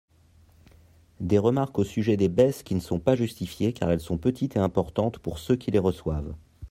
Des remarques au sujet des baisses qui ne sont pas justifiées car elles sont petites et importantes pour ceux qui les reçoivent.